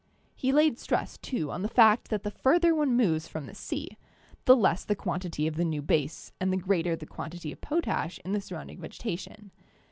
He laid stress, too, on the fact that the further one moves from the sea, the less the quantity of the new base and the greater the quantity of potash in the surrounding vegeta tion.